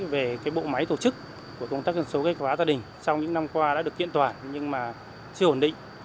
về bộ máy tổ chức của công tác dân số kế hoạch hóa gia đình sau những năm qua đã được kiện toàn nhưng mà chưa ổn định